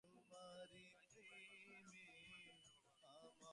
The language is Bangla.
কয়েকদিন পরেই কলম্বোতে নামছি, এবং সিংহলে কিছু একটা করব ভাবছি।